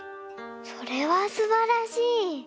それはすばらしい。